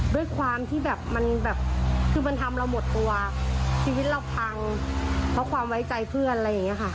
ด้วยความที่แบบมันแบบคือมันทำเราหมดตัวชีวิตเราพังเพราะความไว้ใจเพื่อนอะไรอย่างนี้ค่ะ